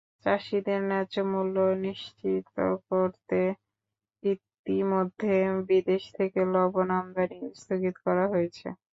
চাষিদের ন্যায্যমূল্য নিশ্চিত করতে ইতিমধ্যে বিদেশ থেকে লবণ আমদানি স্থগিত করা হয়েছে।